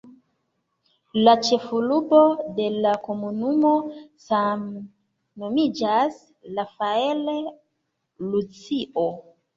La ĉefurbo de la komunumo same nomiĝas "Rafael Lucio".